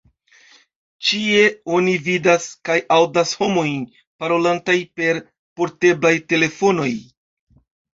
Ĉie oni vidas kaj aŭdas homojn parolantaj per porteblaj telefonoj.